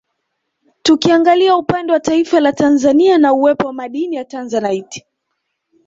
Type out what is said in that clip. Tukiangalia upande wa taifa la Tanzania na uwepo wa madini ya Tanzanite